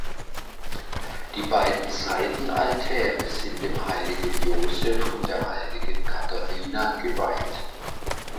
Die beiden Seitenaltäre sind dem heiligen Josef und der heiligen Katharina geweiht.